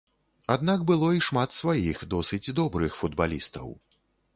Аднак было і шмат сваіх, досыць добрых футбалістаў.